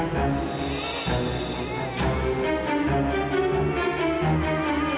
kau tidak bubu di cintamu